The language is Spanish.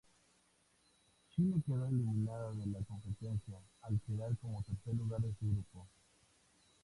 Chile quedó eliminada de la competencia al quedar como tercer lugar de su grupo.